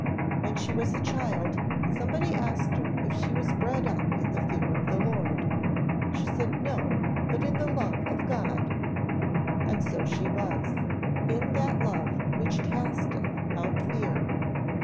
When she was a child somebody asked her if she was bred up in the fear of the Lord. She said no, but in the love of God. And so she was, in that love which casteth out fear.